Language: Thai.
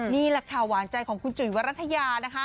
นี่แหละค่ะหวานใจของคุณจุ๋ยวรัฐยานะคะ